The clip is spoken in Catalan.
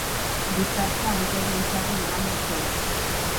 Dissabte en Quer i en Xavi iran a Xaló.